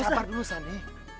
sabar dulu sani